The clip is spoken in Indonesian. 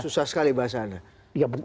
susah sekali bahasa anda